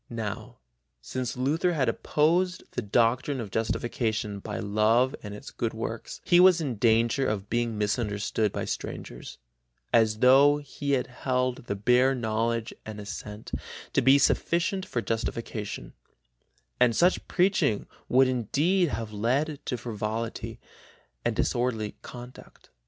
Now, since Luther had opposed the doctrine of justification by love and its good works, he was in danger of being misunderstood by strangers, as though he held the bare knowledge and assent to be sufficient for justification, and such preaching would indeed have led to frivolity and disorderly conduct.